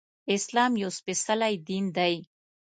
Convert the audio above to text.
اسلام يو سپيڅلی دين دی